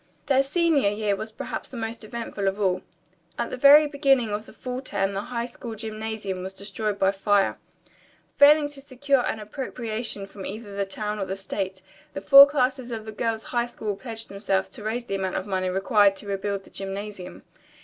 Their senior year was perhaps the most eventful of all. At the very beginning of the fall term the high school gymnasium was destroyed by fire. Failing to secure an appropriation from either the town or state, the four classes of the girls' high school pledged themselves to raise the amount of money required to rebuild the gymnasium.